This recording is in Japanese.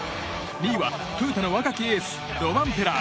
２位はトヨタの若きエースロバンペラ。